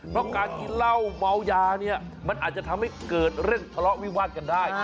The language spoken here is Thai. เพราะการกินเหล้าเมายาเนี่ยมันอาจจะทำให้เกิดเรื่องทะเลาะวิวาดกันได้